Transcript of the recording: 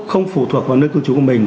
không phụ thuộc vào nơi cư trú của mình